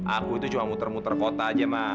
aku itu cuma muter muter kota aja mah